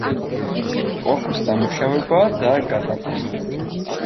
კორპის დამუშავება და გადატანა.